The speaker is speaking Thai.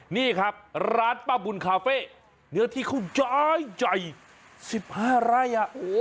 นี่ครับร้านป้าบุญคาเฟ่เนื้อที่เขาจ้ายใหญ่สิบห้าไร่อ่ะโอ้โห